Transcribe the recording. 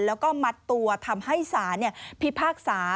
แล้วก็มัดตัวทำให้สารพิพากษา